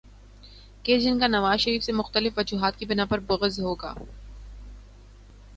گے جن کا نواز شریف سے مختلف وجوہات کی بناء پہ بغض ہو گا۔